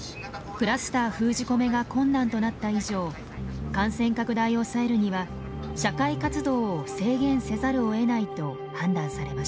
クラスター封じ込めが困難となった以上感染拡大を抑えるには社会活動を制限せざるをえないと判断されました。